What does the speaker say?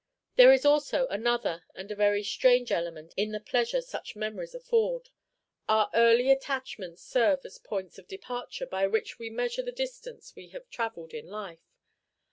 There is also another and a very strange element in the pleasure such memories afford. Our early attachments serve as points of departure by which we measure the distance we have travelled in life.